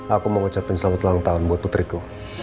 aku mau ngucapin selamat ulang tahun buat putriku